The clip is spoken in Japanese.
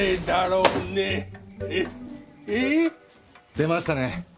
出ましたね。